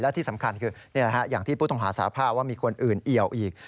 และที่สำคัญคืออย่างที่ผู้ต้องหาสาภาพว่ามีคนอื่นเอี่ยวอีก